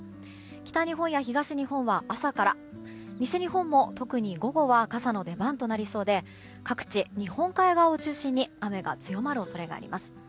北日本や東日本は朝から西日本も特に午後は傘の出番となりそうで各地、日本海側を中心に雨が強まる恐れがあります。